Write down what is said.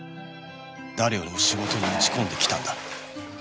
誰よりも仕事に打ち込んできたんだ